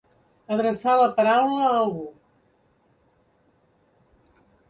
Adreçar la paraula a algú.